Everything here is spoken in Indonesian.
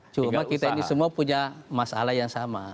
cuma kita ini semua punya masalah yang sama